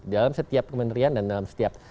dalam setiap kementerian dan dalam setiap